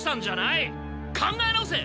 考え直せ！